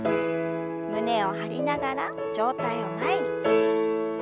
胸を張りながら上体を前に。